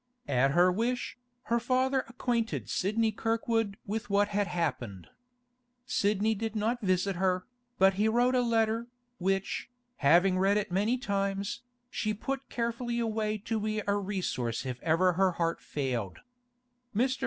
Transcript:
At her wish, her father acquainted Sidney Kirkwood with what had happened. Sidney did not visit her, but he wrote a letter, which, having read it many times, she put carefully away to be a resource if ever her heart failed. Mr.